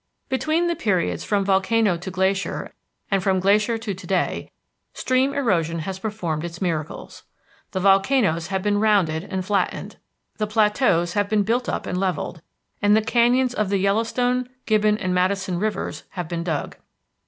Between the periods from volcano to glacier and from glacier to to day, stream erosion has performed its miracles. The volcanoes have been rounded and flattened, the plateaus have been built up and levelled, and the canyons of the Yellowstone, Gibbon, and Madison Rivers have been dug.